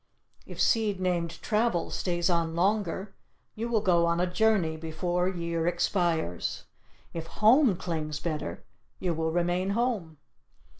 If seed named travel stays on longer, you will go on a journey before year expires. If "Home" clings better, you will remain home.